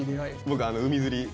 僕海釣り。